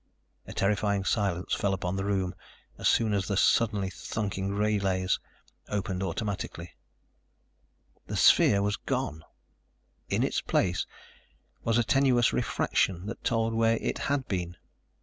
A terrifying silence fell upon the room as soon as the suddenly thunking relays opened automatically. The sphere was gone! In its place was a tenuous refraction that told where it had been.